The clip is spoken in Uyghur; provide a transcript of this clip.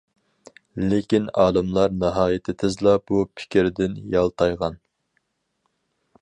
لېكىن ئالىملار ناھايىتى تېزلا بۇ پىكرىدىن يالتايغان.